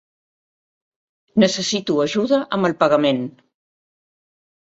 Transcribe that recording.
Necessito ajuda amb el pagament.